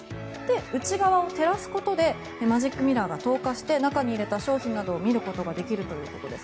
内側を照らすことでマジックミラーが透過して中に入れた商品などを見ることができるということです。